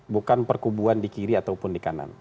bukan perkubuan di kiri ataupun di kanan